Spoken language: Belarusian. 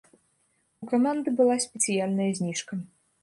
У каманды была спецыяльная зніжка.